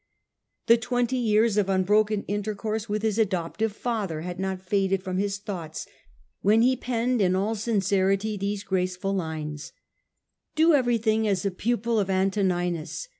The twenty years of unbroken intercourse with his adoptive father had not faded from his thoughts when he penned in all sincerity these graceful lines : Medit. vi. ^ Do everything as a pupil of Antoninus.